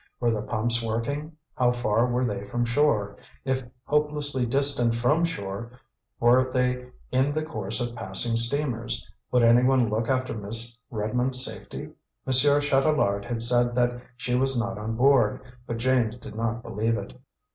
Were the pumps working? How far were they from shore? If hopelessly distant from shore, were they in the course of passing steamers? Would any one look after Miss Redmond's safety? Monsieur Chatelard had said that she was not on board, but James did not believe it.